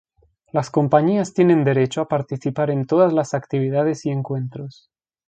Las compañías tienen derecho a participar en todas las actividades y encuentros.